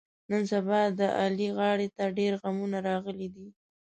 نن سبا د علي غاړې ته ډېرغمونه راغلي دي.